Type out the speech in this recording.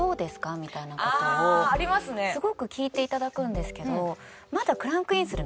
みたいな事をすごく聞いていただくんですけど。